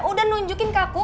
udah nunjukin ke aku